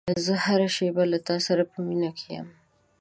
زه هره شېبه له تا سره په مینه کې یم.